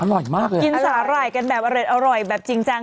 อร่อยมากเลยกินสาหร่ายกันแบบอร่อยแบบจริงจัง